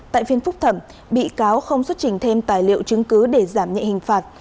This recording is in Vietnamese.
tại phiên phúc thẩm bị cáo không xuất trình thêm tài liệu chứng cứ để giảm nhẹ hình phạt